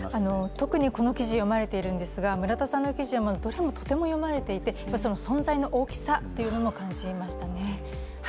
特にこの記事、読まれているんですが、村田さんの記事はどれもとても読まれていて存在の大きさを感じましたね。